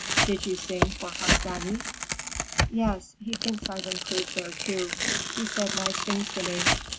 "Did you sing for Harsanyi?" "Yes. He thinks I've improved there, too. He said nice things to me.